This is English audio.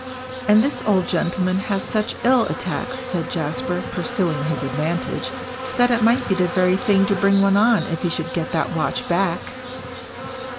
"And this old gentleman has such ill attacks," said Jasper, pursuing his advantage, "that it might be the very thing to bring one on if he should get that watch back."